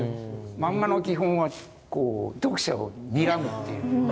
マンガの基本はこう読者をにらむっていう。